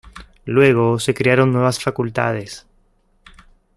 Luego, se crearon nuevas facultades.